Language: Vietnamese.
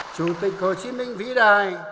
chủ tịch hồ chí minh vĩ đại